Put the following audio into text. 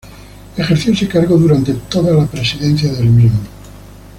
Ejerció ese cargo durante toda la presidencia del mismo.